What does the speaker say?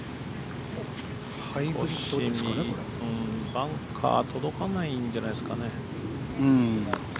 バンカー届かないんじゃないですかね。